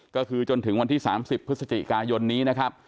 ก็คือจนถึงวันที่๓๐พฤศจิกายนนี้นะครับ